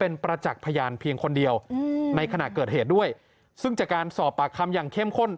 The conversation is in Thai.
นักเกิดเหตุด้วยซึ่งจากการสอบปากคำอย่างเข้มข้น